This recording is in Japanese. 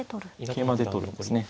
桂馬で取るんですね。